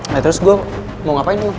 nah terus gue mau ngapain